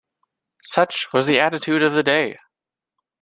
Such was the attitude of the day.